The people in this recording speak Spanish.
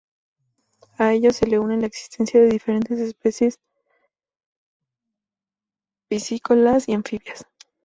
A ello se une la existencia de diferentes especies piscícolas y anfibias.